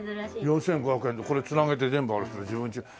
４５００円でこれ繋げて全部あれしたら自分ち。